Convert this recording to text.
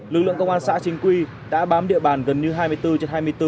lực lượng công an xã chính quy đã bám địa bàn gần như hai mươi bốn trên hai mươi bốn